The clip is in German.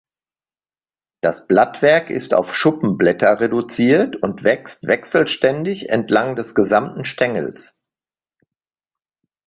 Das Blattwerk ist auf Schuppenblätter reduziert und wächst wechselständig entlang des gesamten Stängels.